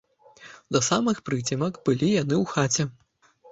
Да самых прыцемак былі яны ў хаце.